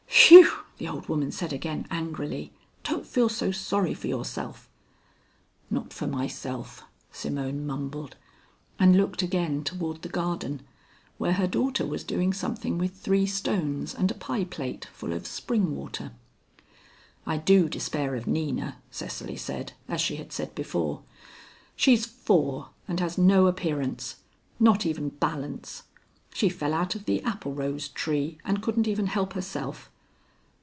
"Phui," the old woman said again, angrily. "Don't feel so sorry for yourself." "Not for myself," Simone mumbled, and looked again toward the garden where her daughter was doing something with three stones and a pie plate full of spring water. "I do despair of Nina," Cecily said, as she had said before. "She's four, and has no appearance. Not even balance. She fell out of the applerose tree, and couldn't even help herself."